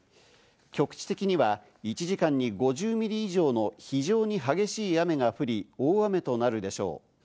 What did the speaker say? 局地的には１時間に５０ミリ以上の非常に激しい雨が降り、大雨となるでしょう。